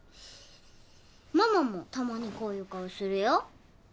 ママもたまにこういう顔するよ。